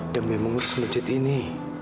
dari mengurus mujid ini